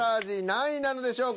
何位なのでしょうか？